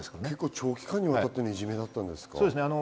長期間にわたってのいじめだったんですか？